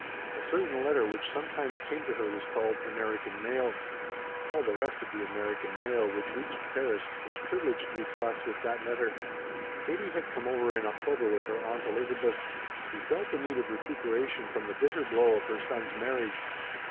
A certain letter which sometimes came to her was called "American mail." All the rest of the American mail which reached Paris was privileged to be classed with that letter. Katie had come over in October with her Aunt Elizabeth, who felt the need of recuperation from the bitter blow of her son's marriage.